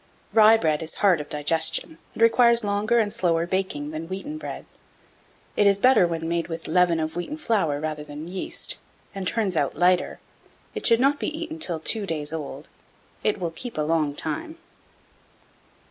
Rye bread is hard of digestion, and requires longer and slower baking than wheaten bread. It is better when made with leaven of wheaten flour rather than yeast, and turns out lighter. It should not be eaten till two days old. It will keep a long time.